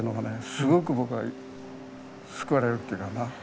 すごく僕は救われるっていうかな。